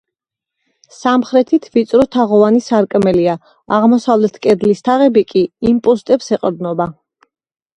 სამხრეთით ვიწრო თაღოვანი სარკმელია, აღმოსავლეთ კედლის თაღები კი იმპოსტებს ეყრდნობა.